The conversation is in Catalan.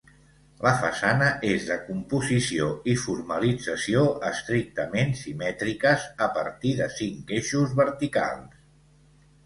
La façana és de composició i formalització estrictament simètriques a partir de cinc eixos verticals.